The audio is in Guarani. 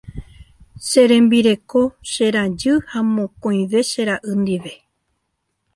Che rembireko, che rajy ha mokõive che ra'y ndive.